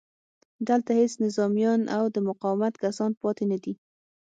دلته هېڅ نظامیان او د مقاومت کسان پاتې نه دي